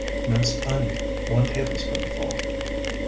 Minced onion, 1 tablespoonful.